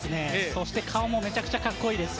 そして顔もめちゃくちゃカッコいいです。